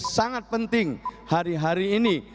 sangat penting hari hari ini